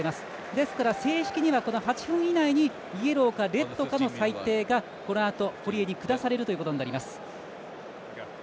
ですから、正式には８分以内にイエローかレッドかの裁定がこのあと堀江にくだされるということになります。